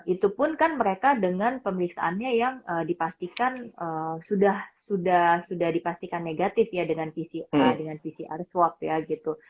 itu pun kan mereka dengan pemeriksaannya yang dipastikan sudah dipastikan negatif ya dengan pcr dengan pcr swab ya gitu